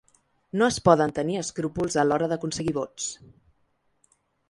No es poden tenir escrúpols a l’hora d’aconseguir vots.